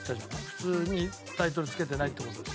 普通にタイトルつけてないって事ですよね？